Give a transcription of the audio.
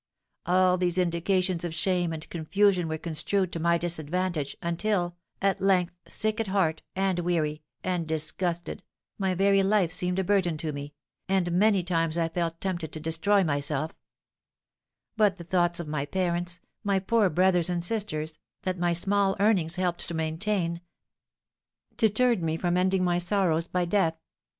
All these indications of shame and confusion were construed to my disadvantage, until, at length, sick at heart, and weary, and disgusted, my very life seemed a burden to me, and many times I felt tempted to destroy myself; but the thoughts of my parents, my poor brothers and sisters, that my small earnings helped to maintain, deterred me from ending my sorrows by death.